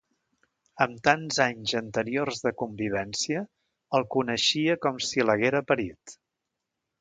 Amb tants anys anteriors de convivència, el coneixia com si l'haguera parit!